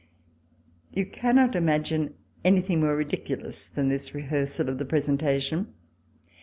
You cannot imagine anything more ridiculous than this rehearsal of the presenta tion.